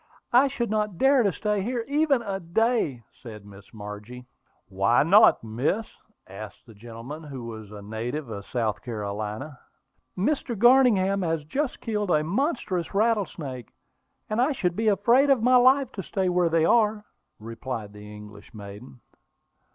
"I should not dare to stay here even a day," said Miss Margie. "Why not, miss?" asked the gentleman, who was a native of South Carolina. [Illustration: OWEN AIMED HIS GUN AND FIRED. Page 280.] "Mr. Garningham has just killed a monstrous rattlesnake; and I should be afraid of my life to stay where they are," replied the English maiden.